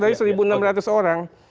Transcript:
dari seribu enam ratus orang